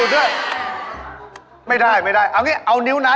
เหมือนดูดหน้าดูดนิ้วน่ะ